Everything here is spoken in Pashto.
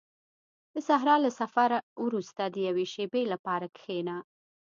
• د صحرا له سفر وروسته د یوې شېبې لپاره کښېنه.